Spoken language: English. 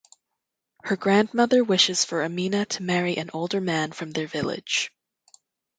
Her grandmother wishes for Amina to marry an older man from their village.